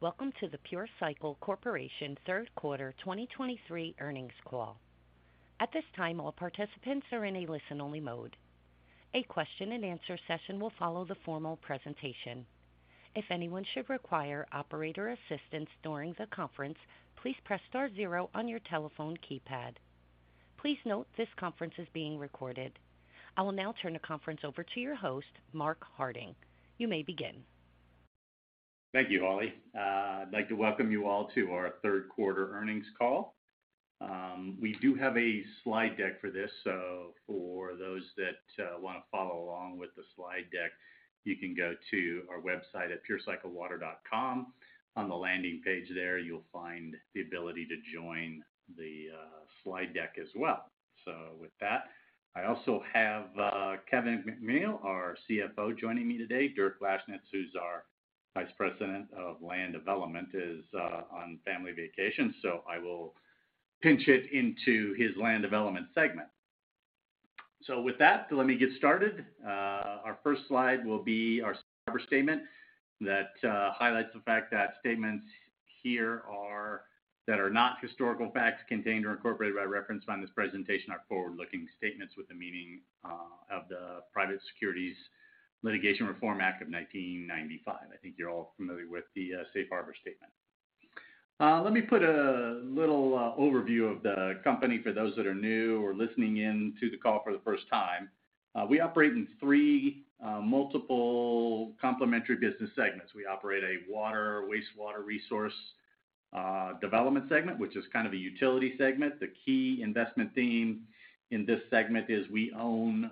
Welcome to the Pure Cycle Corporation third quarter 2023 earnings call. At this time, all participants are in a listen-only mode. A question-and-answer session will follow the formal presentation. If anyone should require operator assistance during the conference, please press star zero on your telephone keypad. Please note, this conference is being recorded. I will now turn the conference over to your host, Mark Harding. You may begin. Thank you, Holly. I'd like to welcome you all to our third quarter earnings call. We do have a slide deck for this, so for those that wanna follow along with the slide deck, you can go to our website at purecyclewater.com. On the landing page there, you'll find the ability to join the slide deck as well. With that, I also have Kevin McNeill, our CFO, joining me today. Dirk Lashnits, who's our Vice President of Land Development, is on family vacation, so I will pinch hit into his land development segment. With that, let me get started. Our first slide will be our harbor statement, that highlights the fact that statements here that are not historical facts, contained or incorporated by reference on this presentation are forward-looking statements with the meaning of the Private Securities Litigation Reform Act of 1995. I think you're all familiar with the safe harbor statement. Let me put a little overview of the company for those that are new or listening in to the call for the first time. We operate in three multiple complementary business segments. We operate a water, wastewater resource development segment, which is kind of a utility segment. The key investment theme in this segment is we own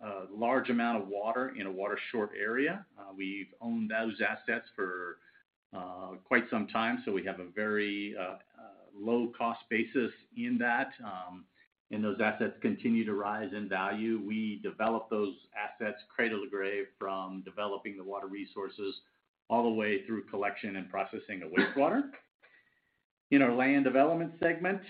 a large amount of water in a water-short area. We've owned those assets for quite some time, so we have a very low cost basis in that, and those assets continue to rise in value. We develop those assets, cradle to grave, from developing the water resources, all the way through collection and processing of wastewater. In our land development segment,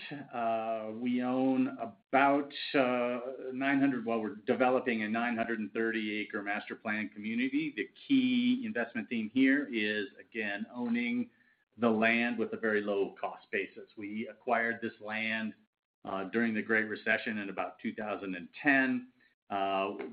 we own about, well, we're developing a 930 acre master planned community. The key investment theme here is again, owning the land with a very low cost basis. We acquired this land during the Great Recession in about 2010.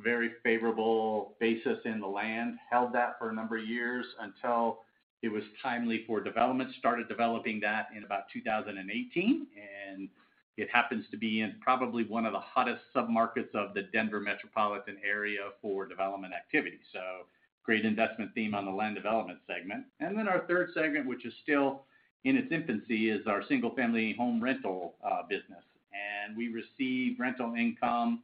Very favorable basis in the land. Held that for a number of years until it was timely for development. Started developing that in about 2018, and it happens to be in probably one of the hottest submarkets of the Denver metropolitan area for development activity, so great investment theme on the land development segment. Our third segment, which is still in its infancy, is our single-family home rental business. We receive rental income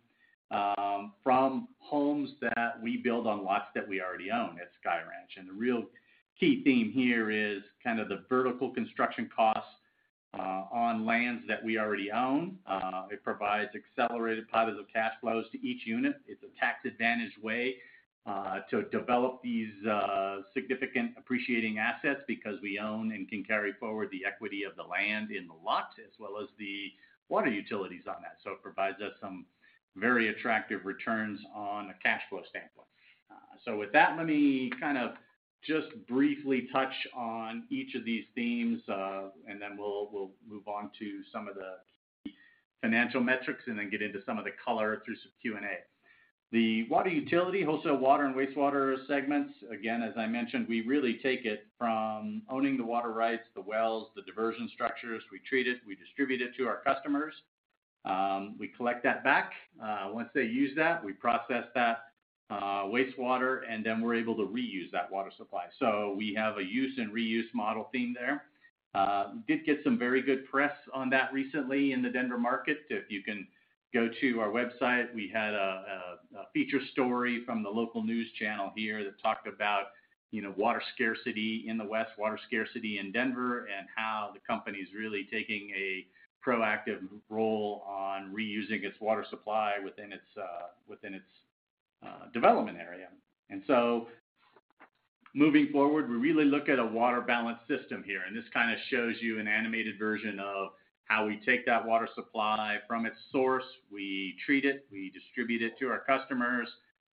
from homes that we build on lots that we already own at Sky Ranch. The real key theme here is kind of the vertical construction costs on lands that we already own. It provides accelerated positive cash flows to each unit. It's a tax-advantaged way to develop these significant appreciating assets because we own and can carry forward the equity of the land in the lot, as well as the water utilities on that. It provides us some very attractive returns on a cash flow standpoint. With that, let me kind of just briefly touch on each of these themes, and then we'll move on to some of the financial metrics and then get into some of the color through some Q&A. The water utility, wholesale water, and wastewater segments, again, as I mentioned, we really take it from owning the water rights, the wells, the diversion structures. We treat it, we distribute it to our customers, we collect that back. Once they use that, we process that wastewater, and then we're able to reuse that water supply. We have a use and reuse model theme there. We did get some very good press on that recently in the Denver market. If you can go to our website, we had a feature story from the local news channel here that talked about, you know, water scarcity in the West, water scarcity in Denver, and how the company is really taking a proactive role on reusing its water supply within its development area. Moving forward, we really look at a water balance system here. This kind of shows you an animated version of how we take that water supply from its source. We treat it, we distribute it to our customers.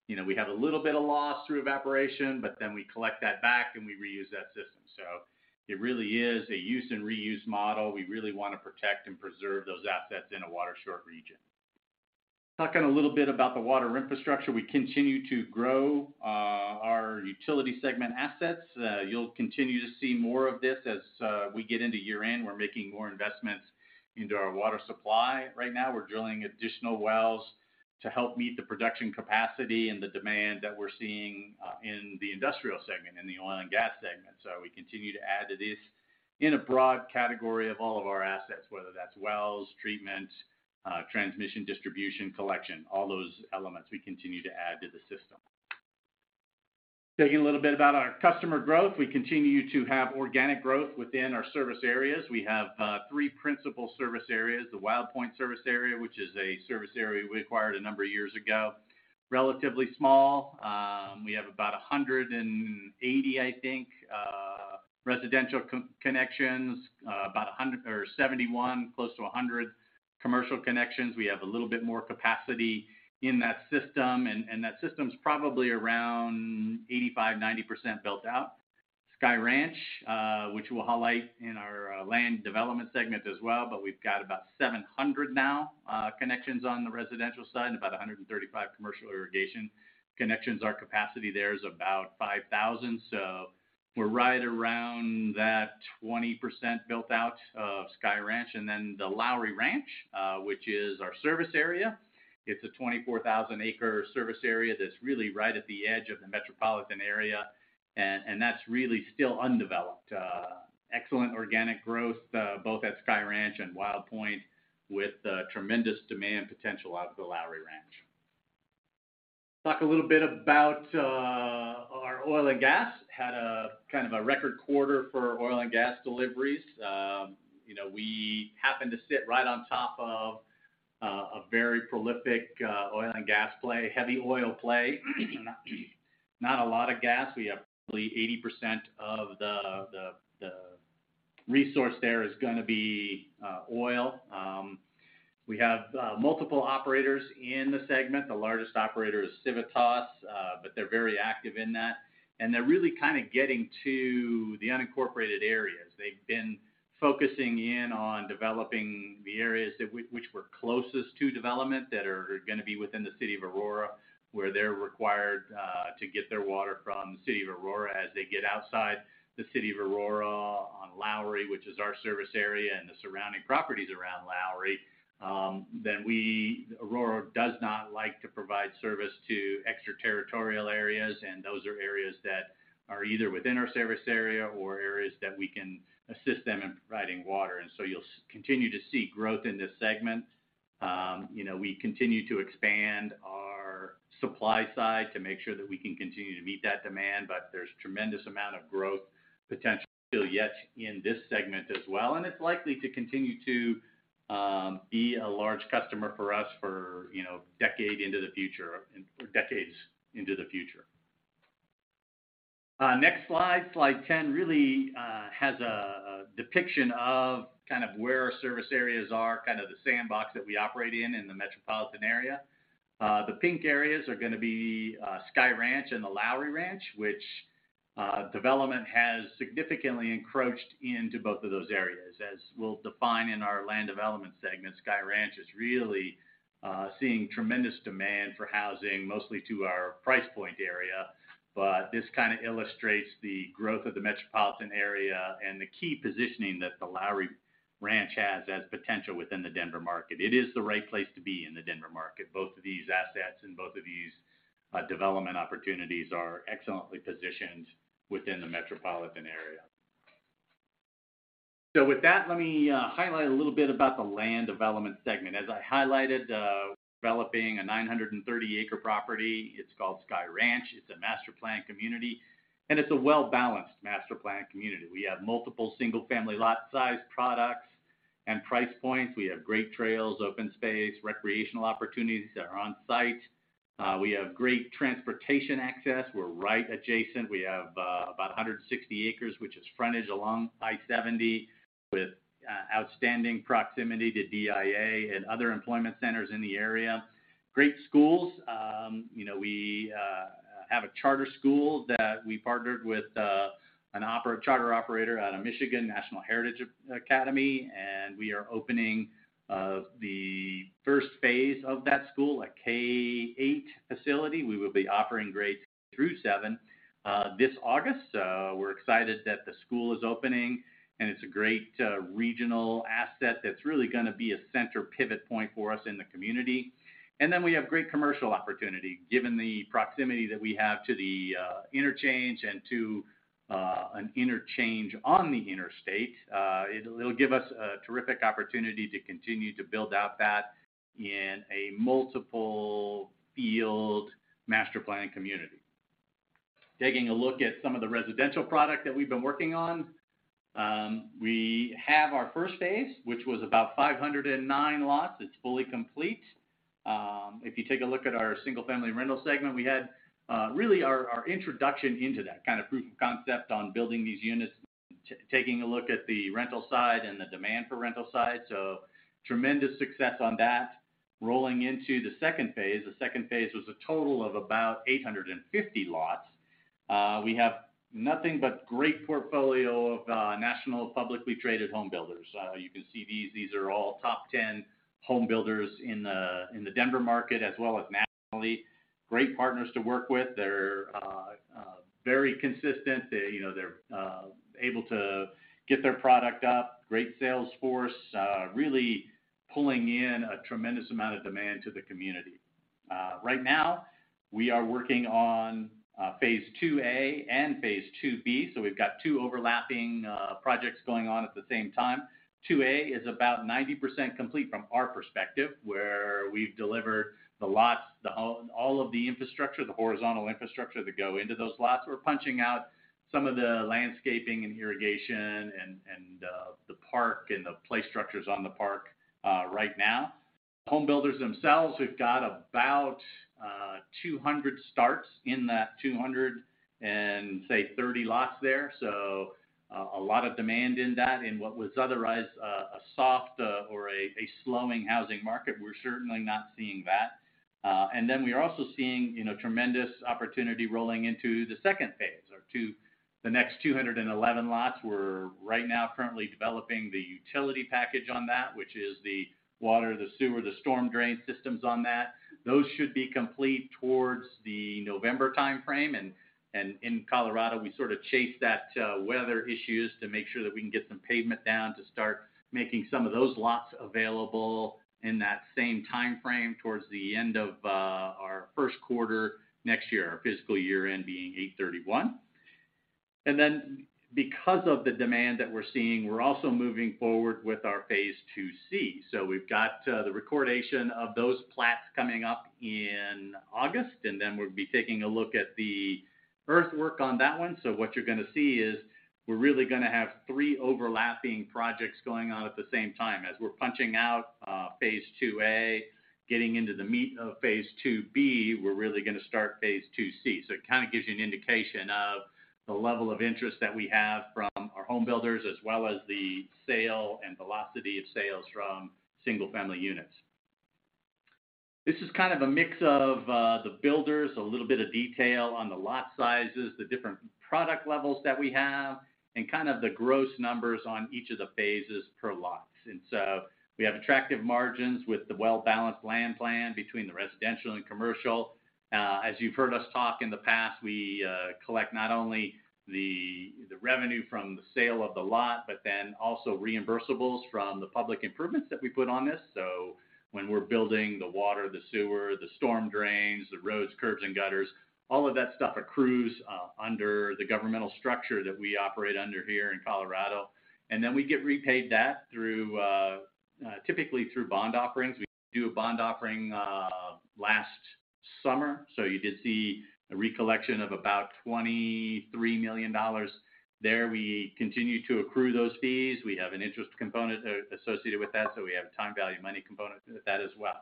You know, we have a little bit of loss through evaporation. We collect that back, we reuse that system. It really is a use and reuse model. We really want to protect and preserve those assets in a water-short region. Talking a little bit about the water infrastructure, we continue to grow, our utility segment assets. You'll continue to see more of this as we get into year-end. We're making more investments into our water supply. Right now, we're drilling additional wells to help meet the production capacity and the demand that we're seeing in the industrial segment, in the oil and gas segment. We continue to add to this in a broad category of all of our assets, whether that's wells, treatment, transmission, distribution, collection, all those elements we continue to add to the system. Talking a little bit about our customer growth. We continue to have organic growth within our service areas. We have three principal service areas, the Wild Pointe service area, which is a service area we acquired a number of years ago. Relatively small. We have about 180 residential connections, 71 commercial connections, we have a little bit more capacity in that system. That system's probably around 85%-90% built out. Sky Ranch, which we'll highlight in our land development segment as well, we've got about 700 now connections on the residential side, and about 135 commercial irrigation connections. Our capacity there is about 5,000, so we're right around that 20% built out of Sky Ranch. The Lowry Ranch, which is our service area. It's a 24,000 acre service area that's really right at the edge of the metropolitan area, and that's really still undeveloped. Excellent organic growth, both at Sky Ranch and Wild Pointe, with tremendous demand potential out of the Lowry Ranch. Talk a little bit about our oil and gas. Had a kind of a record quarter for oil and gas deliveries. You know, we happen to sit right on top of a very prolific oil and gas play, heavy oil play. Not a lot of gas. We have probably 80% of the resource there is gonna be oil. We have multiple operators in the segment. The largest operator is Civitas, but they're very active in that, and they're really kind of getting to the unincorporated areas. They've been focusing in on developing the areas which were closest to development, that are gonna be within the city of Aurora, where they're required to get their water from the city of Aurora. As they get outside the city of Aurora on Lowry, which is our service area, and the surrounding properties around Lowry, Aurora does not like to provide service to extraterritorial areas, and those are areas that are either within our service area or areas that we can assist them in providing water. You'll continue to see growth in this segment. you know, we continue to expand our supply side to make sure that we can continue to meet that demand, but there's tremendous amount of growth potential still yet in this segment as well. It's likely to continue to be a large customer for us for, you know, decade into the future, or decades into the future. Next slide. Slide 10 really has a depiction of kind of where our service areas are, kind of the sandbox that we operate in the metropolitan area. The pink areas are gonna be Sky Ranch and the Lowry Ranch, which development has significantly encroached into both of those areas. As we'll define in our land development segment, Sky Ranch is really seeing tremendous demand for housing, mostly to our price point area. This kind of illustrates the growth of the metropolitan area and the key positioning that the Lowry Ranch has as potential within the Denver market. It is the right place to be in the Denver market. Both of these assets and both of these development opportunities are excellently positioned within the metropolitan area. With that, let me highlight a little bit about the land development segment. As I highlighted, we're developing a 930 acre property. It's called Sky Ranch. It's a master-planned community, and it's a well-balanced master-planned community. We have multiple single-family lot size products and price points. We have great trails, open space, recreational opportunities that are on site. We have great transportation access. We're right adjacent. We have about 160 acres, which is frontage along I-70, with outstanding proximity to DIA and other employment centers in the area. Great schools, you know, we have a charter school that we partnered with, a charter operator out of Michigan, National Heritage Academy. We are opening the phase I of that school, a K-8 facility. We will be offering grades through seven this August. We're excited that the school is opening, and it's a great regional asset that's really gonna be a center pivot point for us in the community. We have great commercial opportunity. Given the proximity that we have to the interchange and to an interchange on the interstate, it'll give us a terrific opportunity to continue to build out that in a multiple field master planned community. Taking a look at some of the residential product that we've been working on, we have our phase I, which was about 509 lots. It's fully complete. If you take a look at our single-family rental segment, we had really our introduction into that, kind of proof of concept on building these units, taking a look at the rental side and the demand for rental side. Tremendous success on that. Rolling into the phase II. The phase II was a total of about 850 lots. We have nothing but great portfolio of national publicly traded home builders. You can see these are all top 10 home builders in the, in the Denver market, as well as nationally. Great partners to work with. They're very consistent. They, you know, they're able to get their product up. Great sales force, really pulling in a tremendous amount of demand to the community. Right now, we are working on phase II-A and phase II-B, so we've got two overlapping projects going on at the same time. II-A is about 90% complete from our perspective, where we've delivered the lots, the all of the infrastructure, the horizontal infrastructure to go into those lots. We're punching out some of the landscaping and irrigation and the park and the play structures on the park right now. Homebuilders themselves, we've got about 200 starts in that 230 lots there. A lot of demand in that in what was otherwise a soft or a slowing housing market. We're certainly not seeing that. We are also seeing, you know, tremendous opportunity rolling into the phase II, or to the next 211 lots. We're right now currently developing the utility package on that, which is the water, the sewer, the storm drain systems on that. Those should be complete towards the November time frame. And in Colorado, we sort of chase that weather issues to make sure that we can get some pavement down to start making some of those lots available in that same time frame, towards the end of our first quarter next year, our fiscal year end being 8/31. Because of the demand that we're seeing, we're also moving forward with our phase II-C. We've got the recordation of those plats coming up in August, we'll be taking a look at the earthwork on that one. What you're gonna see is, we're really gonna have three overlapping projects going on at the same time. As we're punching out, phase II-A, getting into the meat of phase II-B, we're really gonna start phase II-C. It kind of gives you an indication of the level of interest that we have from our home builders, as well as the sale and velocity of sales from single-family units. This is kind of a mix of the builders, a little bit of detail on the lot sizes, the different product levels that we have, and kind of the gross numbers on each of the phases per lot. We have attractive margins with the well-balanced land plan between the residential and commercial. As you've heard us talk in the past, we collect not only the revenue from the sale of the lot, but then also reimbursables from the public improvements that we put on this. When we're building the water, the sewer, the storm drains, the roads, curbs, and gutters, all of that stuff accrues under the governmental structure that we operate under here in Colorado. Then we get repaid that through typically through bond offerings. We do a bond offering last summer, so you did see a recollection of about $23 million there. We continue to accrue those fees. We have an interest component associated with that, so we have time value, money component with that as well.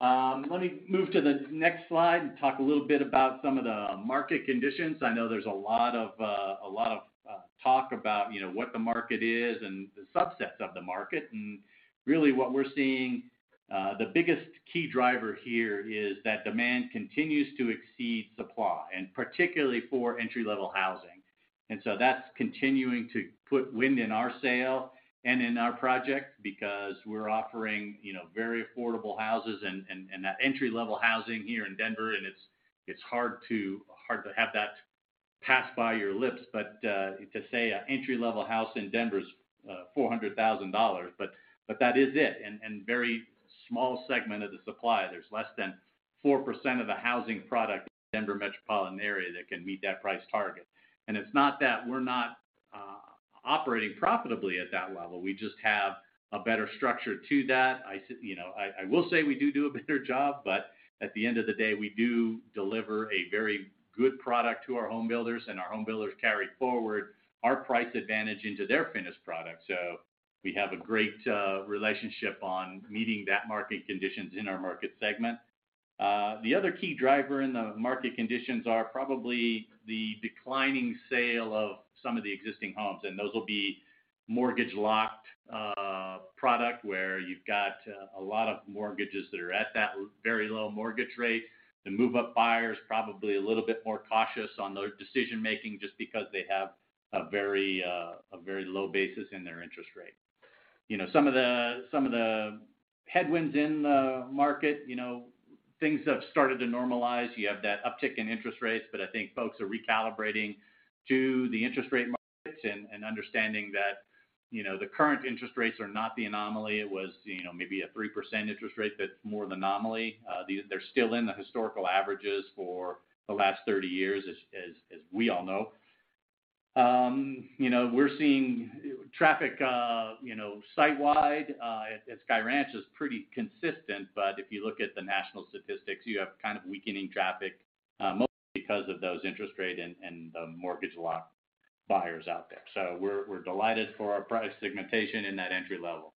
Let me move to the next slide and talk a little bit about some of the market conditions. I know there's a lot of talk about, you know, what the market is and the subsets of the market. Really what we're seeing, the biggest key driver here is that demand continues to exceed supply, and particularly for entry-level housing. So that's continuing to put wind in our sail and in our project because we're offering, you know, very affordable houses and that entry-level housing here in Denver. It's hard to have that pass by your lips, but to say a entry-level house in Denver is $400,000, but that is it, and very small segment of the supply. There's less than 4% of the housing product in Denver metropolitan area that can meet that price target. It's not that we're not operating profitably at that level, we just have a better structure to that. you know, I will say we do a better job, but at the end of the day, we do deliver a very good product to our home builders, and our home builders carry forward our price advantage into their finished product. We have a great relationship on meeting that market conditions in our market segment. The other key driver in the market conditions are probably the declining sale of some of the existing homes, and those will be mortgage-locked product, where you've got a lot of mortgages that are at that very low mortgage rate. The move-up buyers, probably a little bit more cautious on their decision-making just because they have a very, a very low basis in their interest rate. You know, some of the, some of the headwinds in the market, you know, things have started to normalize. You have that uptick in interest rates. I think folks are recalibrating to the interest rate markets and understanding that, you know, the current interest rates are not the anomaly. It was, you know, maybe a 3% interest rate that's more the anomaly. They're still in the historical averages for the last 30 years, as we all know. You know, we're seeing traffic, you know, sitewide, at Sky Ranch is pretty consistent, but if you look at the national statistics, you have kind of weakening traffic, mostly because of those interest rate and the mortgage lock buyers out there. We're, we're delighted for our price segmentation in that entry level.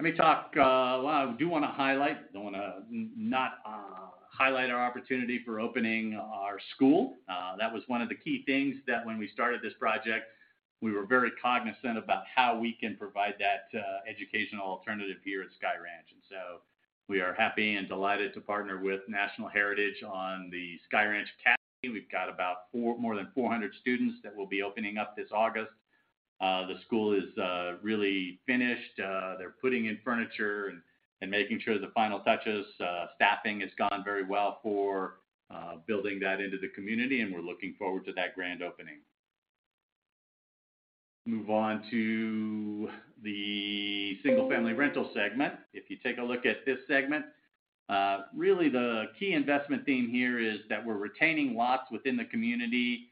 Let me talk. Well, I do wanna highlight, I don't wanna not highlight our opportunity for opening our school. That was one of the key things that when we started this project, we were very cognizant about how we can provide that educational alternative here at Sky Ranch. We are happy and delighted to partner with National Heritage on the Sky Ranch Academy. We've got about more than 400 students that will be opening up this August. The school is really finished. They're putting in furniture and making sure the final touches, staffing has gone very well for building that into the community. We're looking forward to that grand opening. Move on to the single-family rental segment. If you take a look at this segment, really the key investment theme here is that we're retaining lots within the community,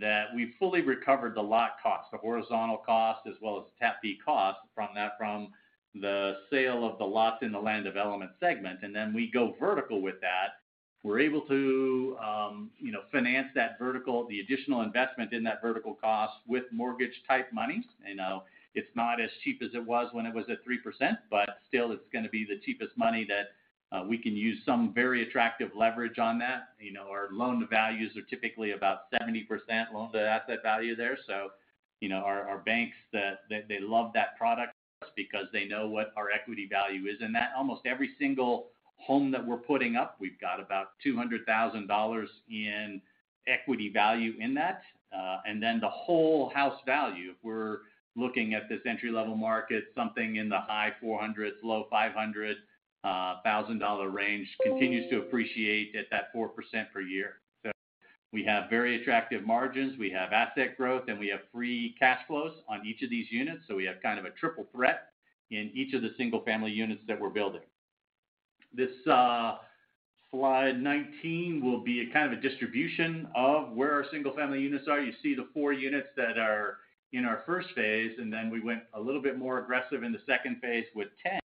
that we've fully recovered the lot cost, the horizontal cost, as well as the tap fee cost from that, from the sale of the lots in the land development segment. Then we go vertical with that. We're able to, you know, finance that vertical, the additional investm ent in that vertical cost with mortgage-type monies. I know it's not as cheap as it was when it was at 3%, still it's gonna be the cheapest money that we can use some very attractive leverage on that. You know, our loan values are typically about 70% loan-to-asset value there. Our banks, they love that product because they know what our equity value is, and that almost every single home that we're putting up, we've got about $200,000 in equity value in that. Then the whole house value, if we're looking at this entry-level market, something in the high $400,000s, low $500,000 range, continues to appreciate at that 4% per year. We have very attractive margins, we have asset growth, and we have free cash flows on each of these units, so we have kind of a triple threat in each of the single-family units that we're building. This slide 19 will be a kind of a distribution of where our single-family units are. You see the four units that are in our phase I, then we went a little bit more aggressive in the phase II with 10.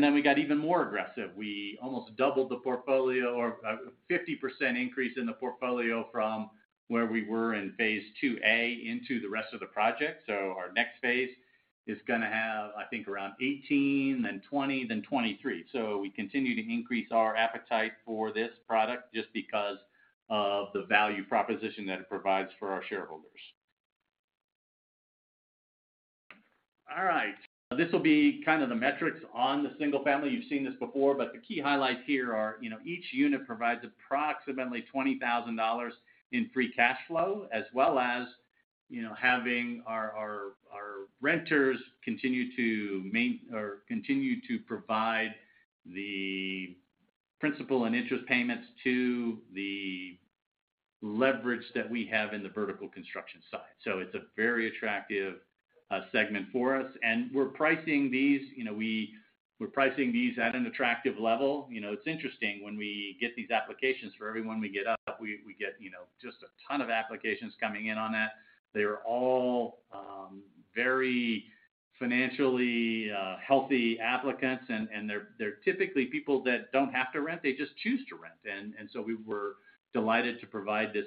Then we got even more aggressive. We almost doubled the portfolio or 50% increase in the portfolio from where we were in phase II-A into the rest of the project. Our next phase is gonna have, I think, around 18, then 20, then 23. We continue to increase our appetite for this product just because of the value proposition that it provides for our shareholders. All right. This will be kind of the metrics on the single-family. You've seen this before, but the key highlights here are, you know, each unit provides approximately $20,000 in free cash flow, as well as, you know, having our renters continue to provide the principal and interest payments to the leverage that we have in the vertical construction side. It's a very attractive segment for us, and we're pricing these, you know, we're pricing these at an attractive level. It's interesting, when we get these applications, for every one we get up, we get, you know, just a ton of applications coming in on that. They are all very financially healthy applicants, and they're typically people that don't have to rent, they just choose to rent. We were delighted to provide this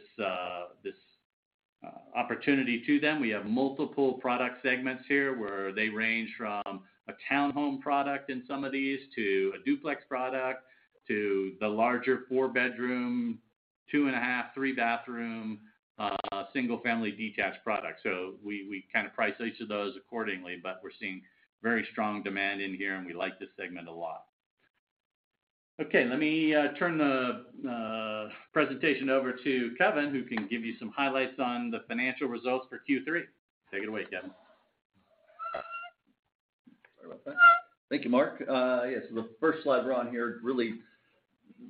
opportunity to them. We have multiple product segments here, where they range from a town home product in some of these, to a duplex product, to the larger four-bedroom, 2.5, three-bathroom single-family detached product. We kind of price each of those accordingly, but we're seeing very strong demand in here, and we like this segment a lot. Okay, let me turn the presentation over to Kevin, who can give you some highlights on the financial results for Q3. Take it away, Kevin. Sorry about that. Thank you, Mark. Yes, the first slide we're on here really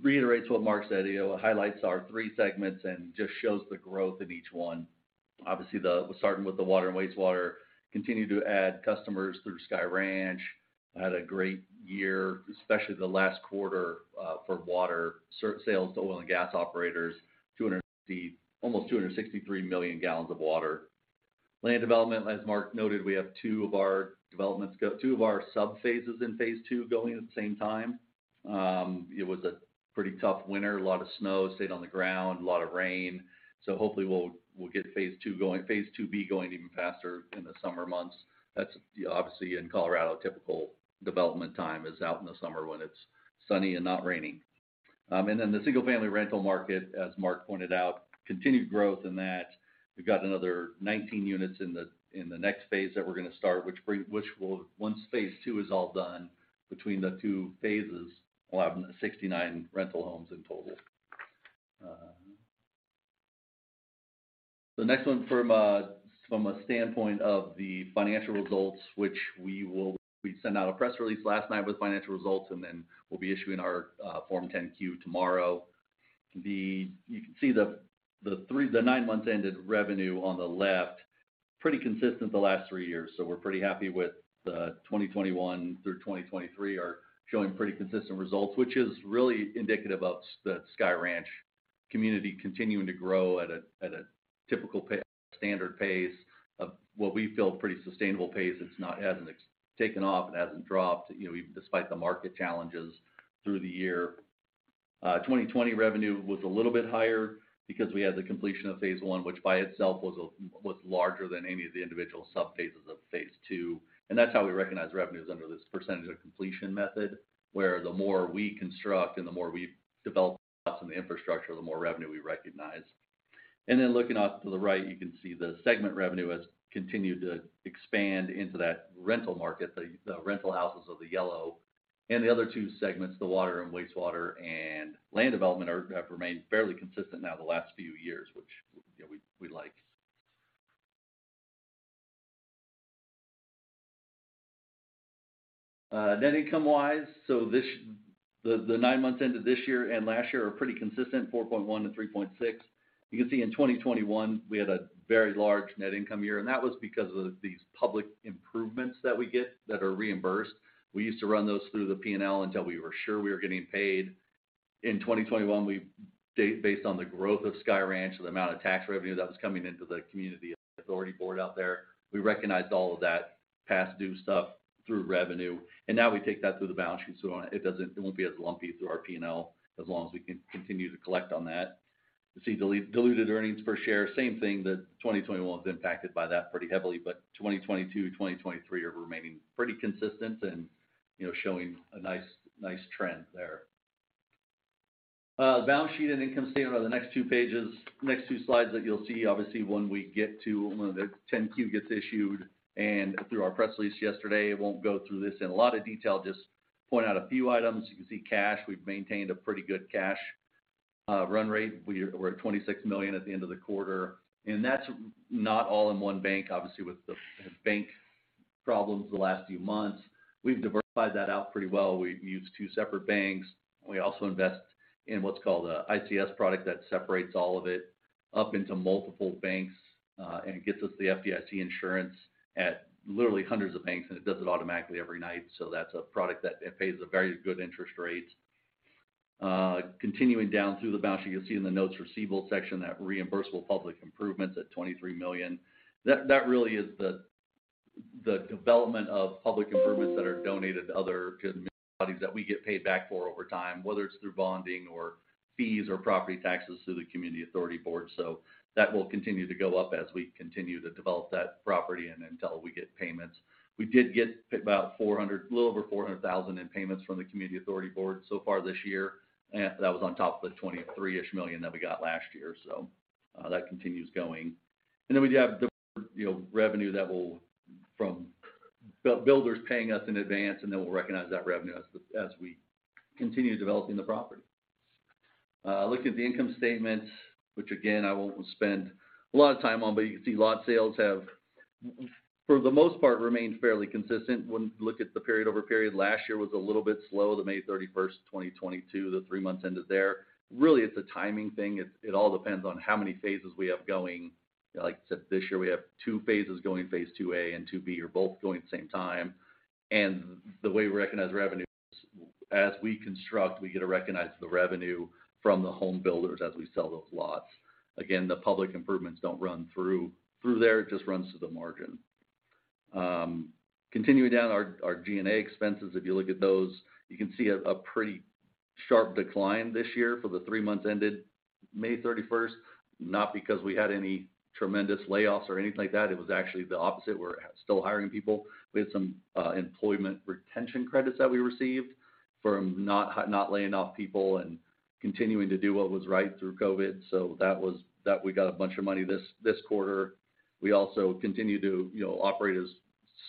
reiterates what Mark said. It highlights our three segments and just shows the growth of each one. Obviously, Starting with the water and wastewater, continue to add customers through Sky Ranch. Had a great year, especially the last quarter, for water cert sales to oil and gas operators, 260, almost 263 million gallons of water. Land development, as Mark noted, we have two of our developments two of our sub phases in phase II going at the same time. It was a pretty tough winter. A lot of snow stayed on the ground, a lot of rain. Hopefully, we'll get phase II going, phase II-B going even faster in the summer months. That's obviously in Colorado, typical development time is out in the summer when it's sunny and not raining. The single-family rental market, as Mark pointed out, continued growth in that. We've got another 19 units in the next phase that we're gonna start, which will, once phase II is all done, between the two phases, we'll have 69 rental homes in total. The next one from a standpoint of the financial results, we sent out a press release last night with financial results, and then we'll be issuing our Form 10-Q tomorrow. You can see the nine months ended revenue on the left, pretty consistent the last three years. We're pretty happy with the 2021 through 2023 are showing pretty consistent results, which is really indicative of the Sky Ranch community continuing to grow at a standard pace of what we feel pretty sustainable pace. It's not, hasn't taken off, it hasn't dropped, you know, despite the market challenges through the year. 2020 revenue was a little bit higher because we had the completion of phase I, which by itself was larger than any of the individual sub phases of phase II. That's how we recognize revenues under this percentage-of-completion method, where the more we construct and the more we develop the infrastructure, the more revenue we recognize. Looking off to the right, you can see the segment revenue has continued to expand into that rental market, the rental houses of the yellow. The other two segments, the water and wastewater and land development, have remained fairly consistent now the last few years, which, you know, we like. Net income wise, so this, the nine months into this year and last year are pretty consistent, $4.1 to $3.6. You can see in 2021, we had a very large net income year, and that was because of these public improvements that we get that are reimbursed. We used to run those through the P&L until we were sure we were getting paid. In 2021, we based on the growth of Sky Ranch and the amount of tax revenue that was coming into the Community Authority Board out there, we recognized all of that past due stuff through revenue. Now we take that through the balance sheet, it doesn't, it won't be as lumpy through our P&L as long as we can continue to collect on that. You see diluted earnings per share, same thing, that 2021 is impacted by that pretty heavily, 2022, 2023 are remaining pretty consistent and, you know, showing a nice trend there. Balance sheet and income statement are the next two pages. Next two slides that you'll see, obviously, when we get to when the Form 10-Q gets issued and through our press release yesterday, I won't go through this in a lot of detail, just point out a few items. You can see cash. We've maintained a pretty good cash run rate. We're at $26 million at the end of the quarter, and that's not all in one bank. Obviously, with the bank problems the last few months, we've diversified that out pretty well. We've used two separate banks. We also invest in what's called a ICS product that separates all of it up into multiple banks and gets us the FDIC insurance at literally hundreds of banks, and it does it automatically every night. That's a product that it pays a very good interest rate. Continuing down through the balance sheet, you'll see in the notes receivable section that reimbursable public improvements at $23 million. That really is the development of public improvements that are donated to other good parties that we get paid back for over time, whether it's through bonding or fees or property taxes through the Community Authority Board. That will continue to go up as we continue to develop that property and until we get payments. We did get about $400,000, a little over $400,000 in payments from the Community Authority Board so far this year, and that was on top of the $23-ish million that we got last year. That continues going. Then we have, you know, revenue that will from builders paying us in advance, and then we'll recognize that revenue as we continue developing the property. Looking at the income statements, which again, I won't spend a lot of time on, but you can see lot sales have, for the most part, remained fairly consistent. When you look at the period-over-period, last year was a little bit slow, the May 31st, 2022, the three months ended there. Really, it's a timing thing. It all depends on how many phases we have going. Like I said, this year, we have two phases going, phase II-A and II-B are both going at the same time. The way we recognize revenue, as we construct, we get to recognize the revenue from the home builders as we sell those lots. Again, the public improvements don't run through there, it just runs to the margin. Continuing down, our G&A expenses, if you look at those, you can see a pretty sharp decline this year for the three months ended May 31st, not because we had any tremendous layoffs or anything like that. It was actually the opposite. We're still hiring people. We had some Employee Retention Credits that we received from not laying off people and continuing to do what was right through COVID. That was, we got a bunch of money this quarter. We also continue to, you know, operate as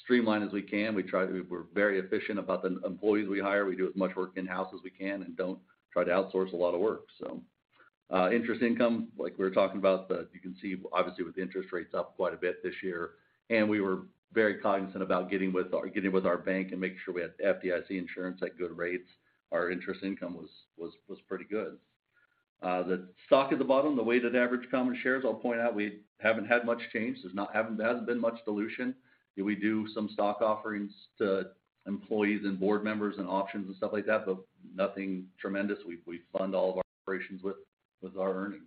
streamlined as we can. We're very efficient about the employees we hire. We do as much work in-house as we can and don't try to outsource a lot of work. Interest income, like we were talking about, you can see, obviously, with interest rates up quite a bit this year, and we were very cognizant about getting with our bank and making sure we had FDIC insurance at good rates. Our interest income was pretty good. The stock at the bottom, the weighted average common shares, I'll point out, we haven't had much change. There hasn't been much dilution. We do some stock offerings to employees and board members and options and stuff like that, nothing tremendous. We fund all of our operations with our earnings.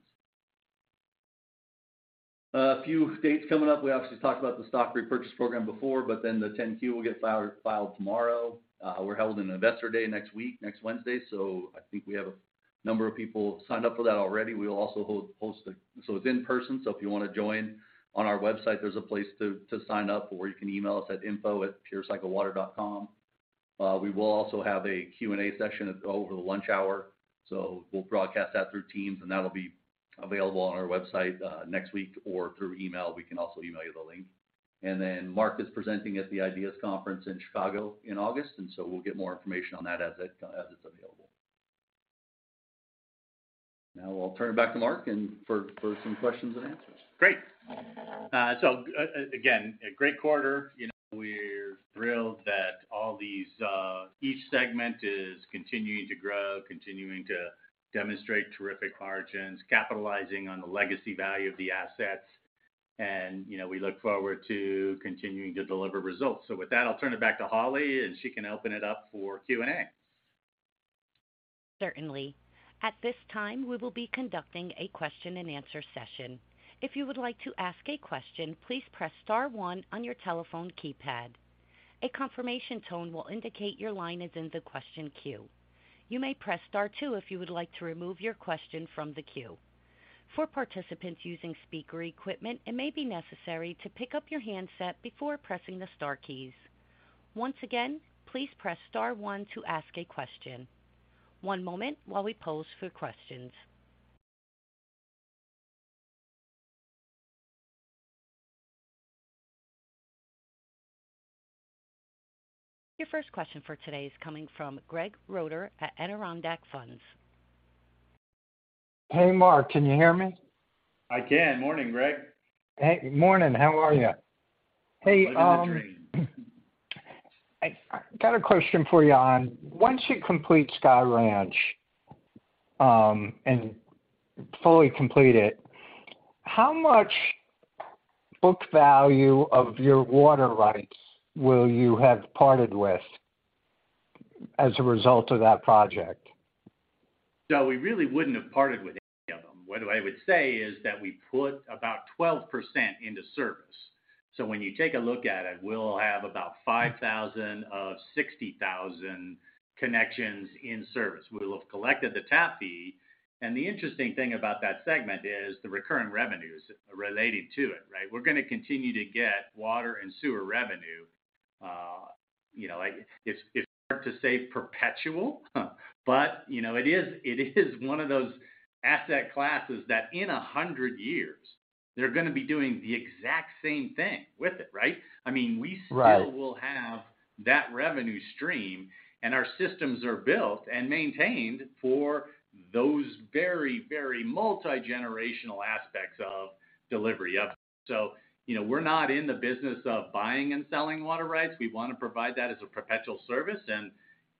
A few dates coming up. We obviously talked about the stock repurchase program before, the 10-Q will get filed tomorrow. We're holding an Investor Day next week, next Wednesday. I think we have a number of people signed up for that already. We will also host. It's in person, so if you want to join on our website, there's a place to sign up, or you can email us at info@purecyclewater.com. We will also have a Q&A session over the lunch hour. We'll broadcast that through Teams, and that'll be available on our website next week or through email. We can also email you the link. Mark is presenting at the IDEAS Conference in Chicago in August. We'll get more information on that as it's available. I'll turn it back to Mark and for some questions-and-answers. Great. Again, a great quarter. You know, we're thrilled that all these, each segment is continuing to grow, continuing to demonstrate terrific margins, capitalizing on the legacy value of the assets, and, you know, we look forward to continuing to deliver results. With that, I'll turn it back to Holly, and she can open it up for Q&A. Certainly. At this time, we will be conducting a question-and-answer session. If you would like to ask a question, please press star one on your telephone keypad. A confirmation tone will indicate your line is in the question queue. You may press star two if you would like to remove your question from the queue. For participants using speaker equipment, it may be necessary to pick up your handset before pressing the star keys. Once again, please press Star one to ask a question. One moment while we pose for questions. Your first question for today is coming from Greg Roeder at Adirondack Funds. Hey, Mark, can you hear me? I can. Morning, Greg. Hey, morning, how are you? Hey. I'm doing great. I got a question for you on, once you complete Sky Ranch, and fully complete it, how much book value of your water rights will you have parted with? as a result of that project? No, we really wouldn't have parted with any of them. What I would say is that we put about 12% into service. When you take a look at it, we'll have about 5,000 of 60,000 connections in service. We'll have collected the tap fee, and the interesting thing about that segment is the recurring revenues related to it, right? We're gonna continue to get water and sewer revenue, you know, like, it's hard to say perpetual, but, you know, it is, it is one of those asset classes that in 100 years they're gonna be doing the exact same thing with it, right? I mean. Right Still will have that revenue stream, and our systems are built and maintained for those very multigenerational aspects of delivery of it. you know, we're not in the business of buying and selling water rights. We wanna provide that as a perpetual service.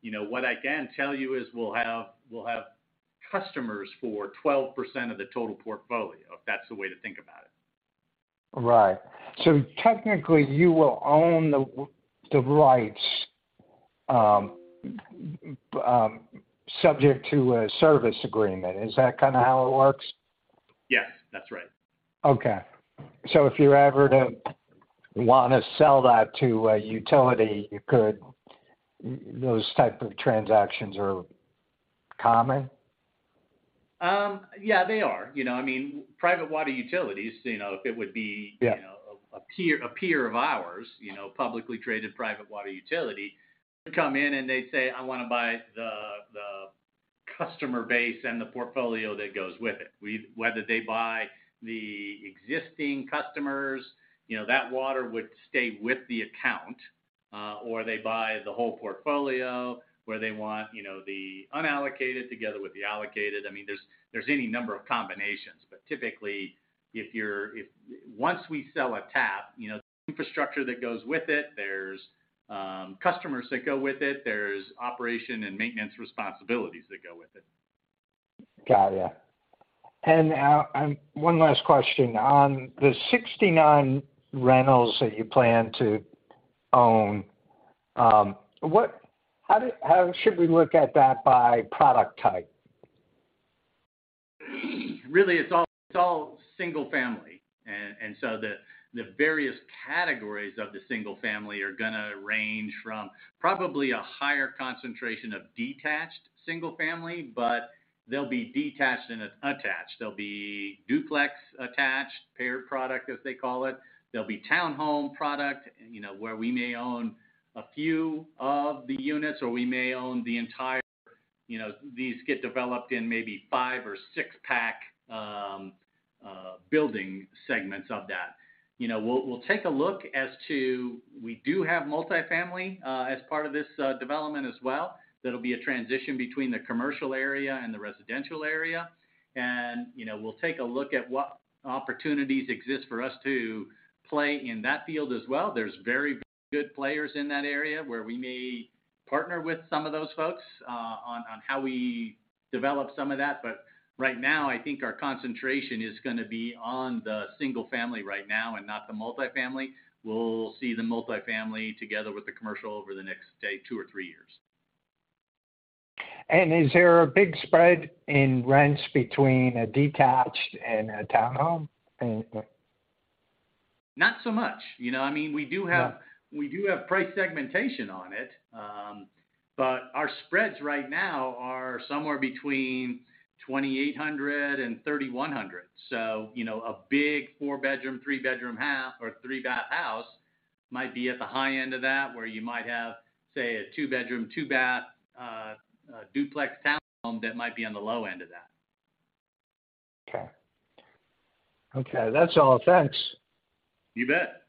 you know, what I can tell you is, we'll have customers for 12% of the total portfolio, if that's the way to think about it. Right. Technically, you will own the rights, subject to a service agreement. Is that kind of how it works? Yes, that's right. Okay. if you ever to wanna sell that to a utility, you could. Those type of transactions are common? Yeah, they are. You know, I mean, private water utilities, you know, if it. Yeah You know, a peer of ours, you know, publicly traded private water utility, come in and they'd say, "I wanna buy the customer base and the portfolio that goes with it." Whether they buy the existing customers, you know, that water would stay with the account, or they buy the whole portfolio, where they want, you know, the unallocated together with the allocated. I mean, there's any number of combinations, but typically, once we sell a tap, you know, the infrastructure that goes with it, there's customers that go with it, there's operation and maintenance responsibilities that go with it. Got you. One last question. On the 69 rentals that you plan to own, how should we look at that by product type? Really, it's all single family. So the various categories of the single family are gonna range from probably a higher concentration of detached single family, but they'll be detached and attached. They'll be duplex attached, paired product, as they call it. They'll be townhome product, you know, where we may own a few of the units, or we may own the entire. You know, these get developed in maybe five or six-pack building segments of that. You know, we'll take a look as to. We do have multifamily as part of this development as well. That'll be a transition between the commercial area and the residential area. You know, we'll take a look at what opportunities exist for us to play in that field as well. There's very good players in that area, where we may partner with some of those folks, on how we develop some of that. Right now, I think our concentration is gonna be on the single family right now and not the multifamily. We'll see the multifamily together with the commercial over the next, say, two or three years. Is there a big spread in rents between a detached and a townhome? Not so much. You know, I mean, we do have. Yeah we do have price segmentation on it, but our spreads right now are somewhere between $2,800 and $3,100. you know, a big four-bedroom, three-bedroom, half or three-bath house might be at the high end of that, where you might have, say, a two-bedroom, two-bath, duplex townhome that might be on the low end of that. Okay. Okay, that's all. Thanks. You bet.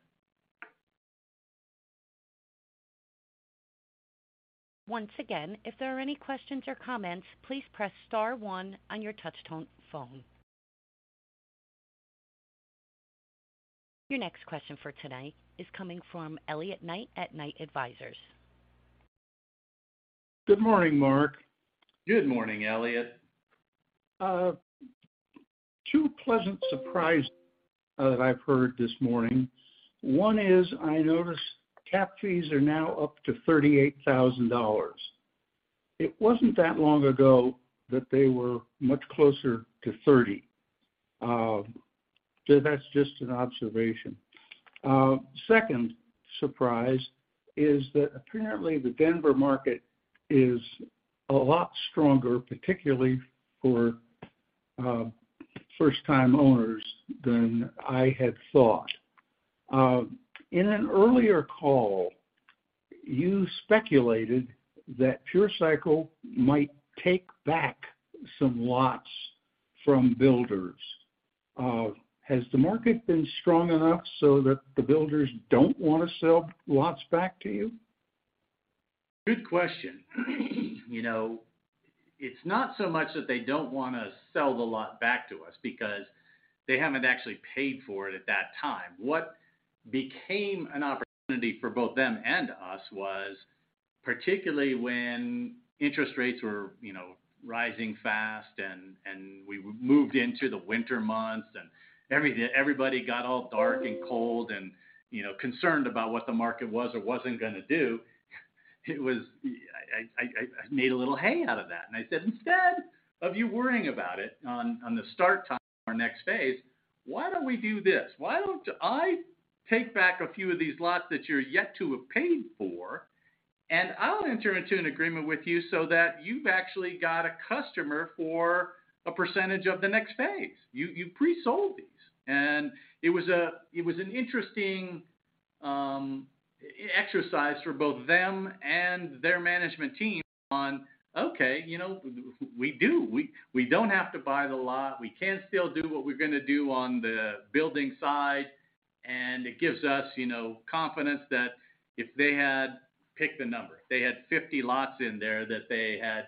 Once again, if there are any questions or comments, please press star one on your Touch-Tone phone. Your next question for tonight is coming from Elliot Knight at Knight Advisors. Good morning, Mark. Good morning, Elliot. Two pleasant surprises that I've heard this morning. One is, I noticed tap fees are now up to $38,000. It wasn't that long ago that they were much closer to 30. That's just an observation. Second surprise is that apparently, the Denver market is a lot stronger, particularly for first-time owners, than I had thought. In an earlier call, you speculated that Pure Cycle might take back some lots from builders. Has the market been strong enough that the builders don't want to sell lots back to you? Good question. You know, it's not so much that they don't wanna sell the lot back to us because they haven't actually paid for it at that time. What became an opportunity for both them and us was, particularly when interest rates were, you know, rising fast, and we moved into the winter months, and everybody got all dark and cold and, you know, concerned about what the market was or wasn't gonna do. It was, I made a little hay out of that, and I said, "Instead of you worrying about it on the start time for our next phase, why don't we do this? Why don't I take back a few of these lots that you're yet to have paid for, and I'll enter into an agreement with you so that you've actually got a customer for a percentage of the next phase? You've pre-sold these. It was an interesting exercise for both them and their management team on, okay, you know, we do. We don't have to buy the lot. We can still do what we're gonna do on the building side, and it gives us, you know, confidence that if they had, pick the number, they had 50 lots in there, that they had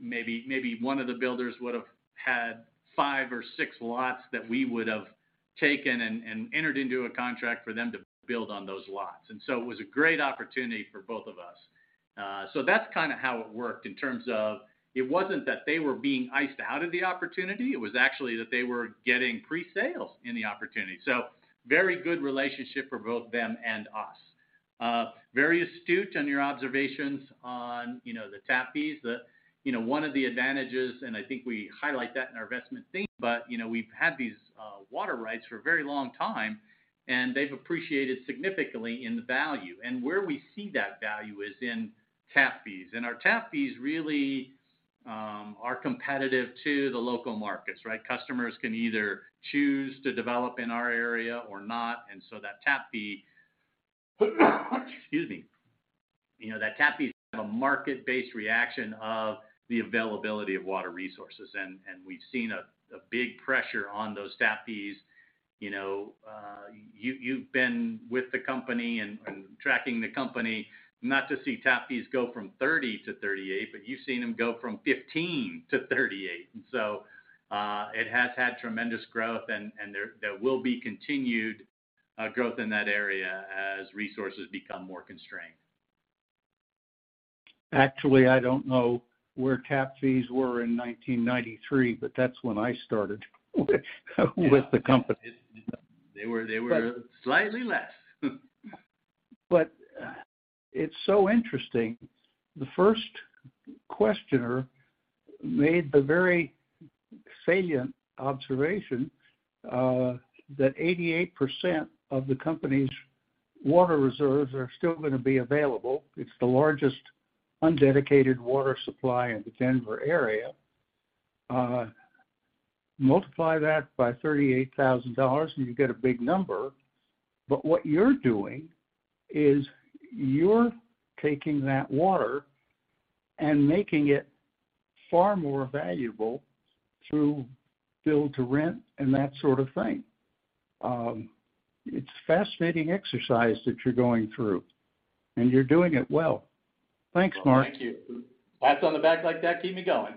maybe one of the builders would have had five or six lots that we would have taken and entered into a contract for them to build on those lots. It was a great opportunity for both of us. So that's kind of how it worked. It wasn't that they were being iced out of the opportunity, it was actually that they were getting pre-sales in the opportunity. Very good relationship for both them and us. Very astute on your observations on, you know, the tap fees. The, you know, one of the advantages, and I think we highlight that in our investment theme, but, you know, we've had these water rights for a very long time, and they've appreciated significantly in value. Where we see that value is in tap fees. Our tap fees really are competitive to the local markets, right? Customers can either choose to develop in our area or not, that tap fee, excuse me, you know, that tap fee is a market-based reaction of the availability of water resources, and we've seen a big pressure on those tap fees. You know, you've been with the company and tracking the company, not to see tap fees go from $30 to $38, but you've seen them go from $15 to $38. It has had tremendous growth, and there will be continued growth in that area as resources become more constrained. Actually, I don't know where tap fees were in 1993, but that's when I started with the company. They were slightly less. It's so interesting, the first questioner made the very salient observation, that 88% of the company's water reserves are still gonna be available. It's the largest undedicated water supply in the Denver area. Multiply that by $38,000, and you get a big number. What you're doing is you're taking that water and making it far more valuable through build-to-rent and that sort of thing. It's a fascinating exercise that you're going through, and you're doing it well. Thanks, Mark. Thank you. Pats on the back like that keep me going.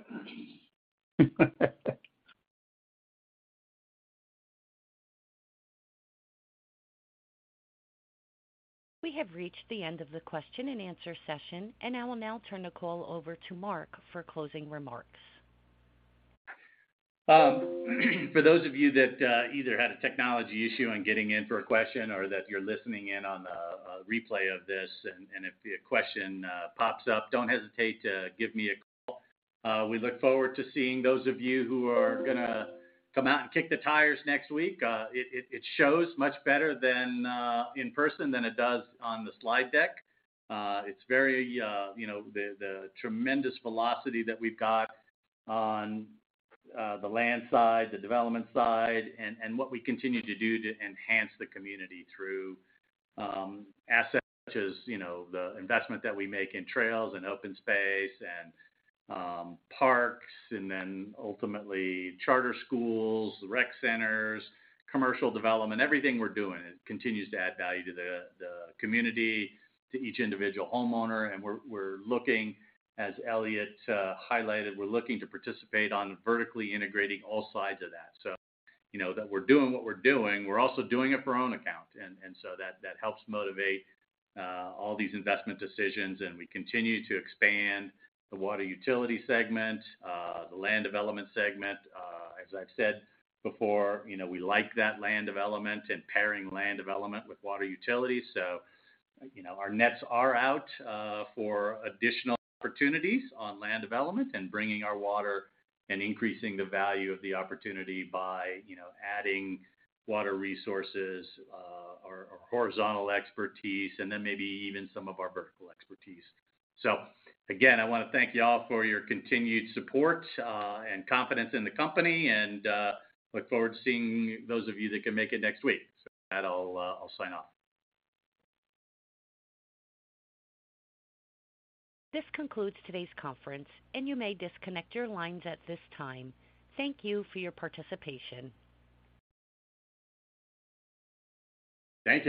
We have reached the end of the question and answer session, and I will now turn the call over to Mark for closing remarks. For those of you that either had a technology issue on getting in for a question or that you're listening in on the replay of this, if a question pops up, don't hesitate to give me a call. We look forward to seeing those of you who are gonna come out and kick the tires next week. It shows much better than in person than it does on the slide deck. It's very, you know, the tremendous velocity that we've got on the land side, the development side, and what we continue to do to enhance the community through assets, such as, you know, the investment that we make in trails and open space and parks and then ultimately charter schools, rec centers, commercial development. Everything we're doing, it continues to add value to the community, to each individual homeowner, and we're looking, as Elliot highlighted, we're looking to participate on vertically integrating all sides of that. You know, that we're doing what we're doing, we're also doing it for our own account, and so that helps motivate all these investment decisions. We continue to expand the water utility segment, the land development segment. As I've said before, you know, we like that land development and pairing land development with water utilities. You know, our nets are out for additional opportunities on land development and bringing our water and increasing the value of the opportunity by, you know, adding water resources, our horizontal expertise, and then maybe even some of our vertical expertise. Again, I want to thank you all for your continued support, and confidence in the company, and look forward to seeing those of you that can make it next week. With that, I'll sign off. This concludes today's conference, and you may disconnect your lines at this time. Thank you for your participation. Thank you.